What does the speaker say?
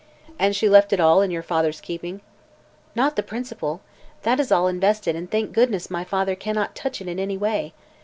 "And she left it all in your father's keeping?" "Not the principal. That is all invested, and thank goodness my father cannot touch it in any way.